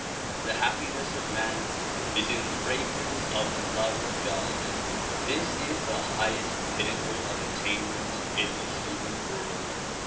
The happiness of man is in the fragrance of the love of God. This is the highest pinnacle of attainment in the human world.